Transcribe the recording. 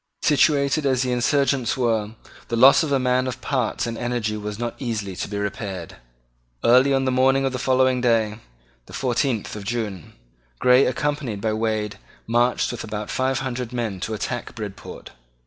Situated as the insurgents were, the loss of a man of parts and energy was not easily to be repaired. Early on the morning of the following day, the fourteenth of June, Grey, accompanied by Wade, marched with about five hundred men to attack Bridport.